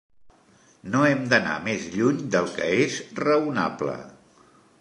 No hem d’anar més lluny del que és raonable.